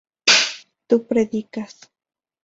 tu predicas